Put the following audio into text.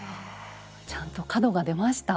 ちゃんと角が出ました。